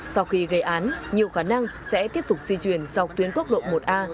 sau khi gây án nhiều khả năng sẽ tiếp tục di chuyển sau tuyến quốc lộ một a